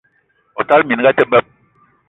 O tala minga a te beb!